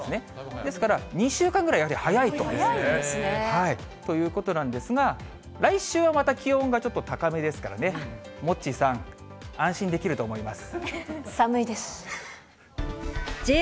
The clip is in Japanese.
ですから、２週間ぐらいやはり早早いですね。ということなんですが、来週はまた気温がちょっと高めですからね、モッチーさん、安心できると思います。